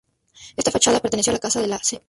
Esta fachada perteneció a la Casa de la Sta.